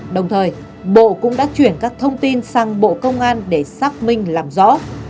đồng thời bộ cũng đã chuyển các thông tin sang bộ công an để xác minh làm rõ